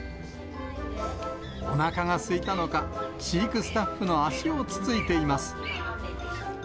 おなかが空いたのか、飼育スタッフの足をつついています。